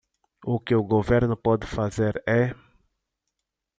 O que o governo pode fazer é